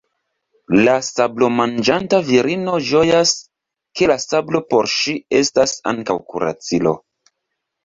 La sablomanĝanta virino ĝojas, ke la sablo por ŝi estas ankaŭ kuracilo.